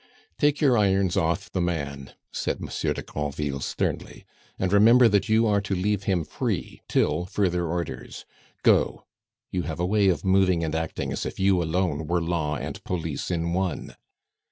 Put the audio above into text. "Take your irons off the man," said Monsieur de Granville sternly. "And remember that you are to leave him free till further orders. Go! You have a way of moving and acting as if you alone were law and police in one."